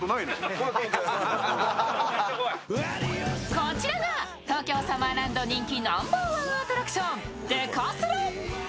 こちらが東京サマーランド人気ナンバーワンアトラクションＤＥＫＡＳＬＡ。